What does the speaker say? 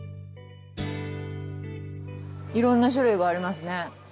いろんな種類がありますね。